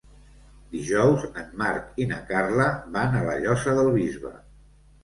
Dijous en Marc i na Carla van a la Llosa del Bisbe.